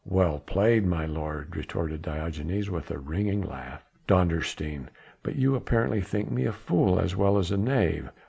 "Well played, my lord," retorted Diogenes with a ringing laugh. "Dondersteen! but you apparently think me a fool as well as a knave.